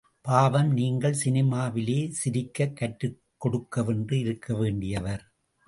பாவம், நீங்கள் சினிமாவிலே சிரிக்கக் கற்றுக் கொடுக்கவென்று இருக்க வேண்டியவர்.